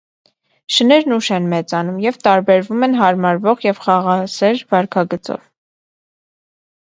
Շներն ուշ են մեծանում և տարբերվում են հարմարվող և խաղաղասեր վարքագծով։